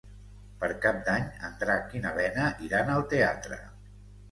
Per Cap d'Any en Drac i na Lena iran al teatre.